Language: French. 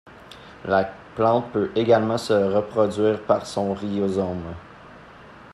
La plante peut également se reproduire par son rhizome.